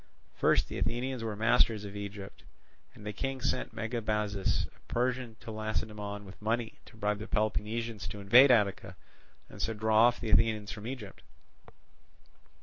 First the Athenians were masters of Egypt, and the King sent Megabazus a Persian to Lacedaemon with money to bribe the Peloponnesians to invade Attica and so draw off the Athenians from Egypt.